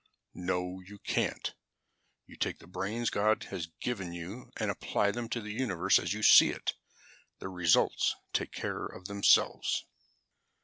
"No, you can't. You take the brains God has given you and apply them to the universe as you see it. The results take care of themselves.